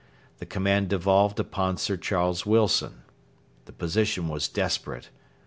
The command devolved upon Sir Charles Wilson. The position was desperate.